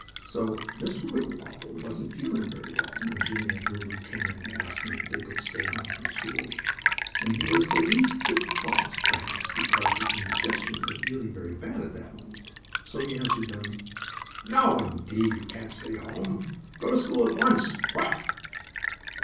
So Mr. Wibblewobble wasn't feeling very well when Jimmie and Lulu came in to ask him if they could stay home from school, and he was the least bit cross, perhaps, because his indigestion was really very bad at that moment. So he answered them: "No, indeed, you can't stay home. Go to school at once! Quack!"